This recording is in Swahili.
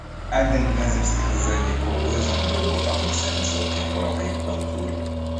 adhi mpenzi msikilijazi kwa uwezo mdogo au niseme sauti ambayo haikuwa nzuri